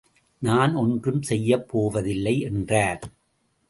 நான் ஒன்றும் செய்யப்போவதில்லை என்றார்.